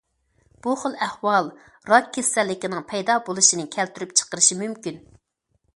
بۇ خىل ئەھۋال راك كېسەللىكىنىڭ پەيدا بولۇشىنى كەلتۈرۈپ چىقىرىشى مۇمكىن.